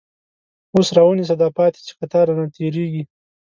اوس راونیسه داپاتی، چی قطار رانه تير یږی